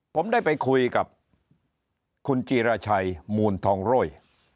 ผมได้ไปคุยกับคุณจีรชัยมูลทองโรย